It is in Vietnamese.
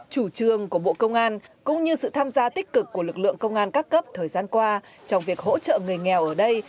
chủ trương của bộ công an cũng như sự tham gia tích cực của lực lượng công an các cấp thời gian qua trong việc hỗ trợ người nghèo ở đây